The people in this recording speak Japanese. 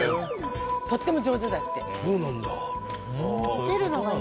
とっても上手だって。